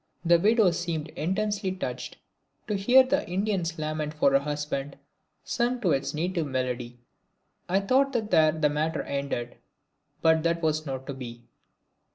The widow seemed intensely touched to hear the Indian's lament for her husband sung to its native melody. I thought that there the matter ended, but that was not to be.